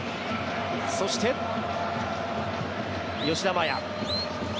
そして、吉田麻也。